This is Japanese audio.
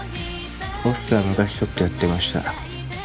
ホストは昔ちょっとやってました。